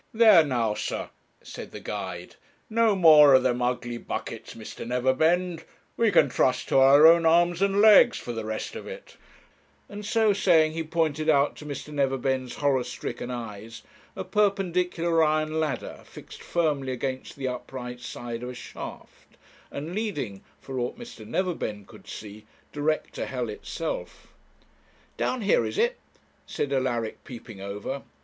'There now, sir,' said the guide; 'no more of them ugly buckets, Mr. Neverbend; we can trust to our own arms and legs for the rest of it, and so saying, he pointed out to Mr. Neverbend's horror stricken eyes a perpendicular iron ladder fixed firmly against the upright side of a shaft, and leading for aught Mr. Neverbend could see direct to hell itself. 'Down here, is it?' said Alaric peeping over.